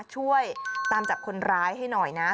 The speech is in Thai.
ช่วยตามจับคนร้ายให้หน่อยนะ